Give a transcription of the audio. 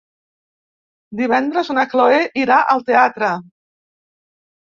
Divendres na Cloè irà al teatre.